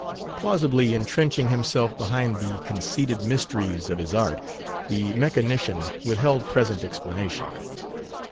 Plausibly entrenching himself behind the conceded mysteries of his art, the mechanician withheld present explanation.